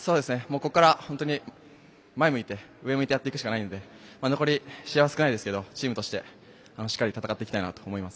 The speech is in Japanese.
ここから前を向いて上を向いてやっていくしかないので残り試合少ないですけどチームとしてしっかり戦っていきたいなと思います。